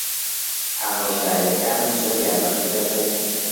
ئامۆژگارییەکانت زۆر یارمەتیدەر بوون.